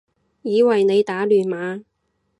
以為你打亂碼